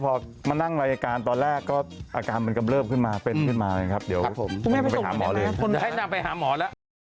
พอมานั่งรายการตอนแรกก็อาการมันกำเลิฟขึ้นมาเป็นขึ้นมาเลยครับเดี๋ยวผมไปหาหมอเลย